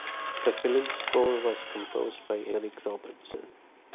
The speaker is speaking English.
The film's score was composed by Eric Robertson.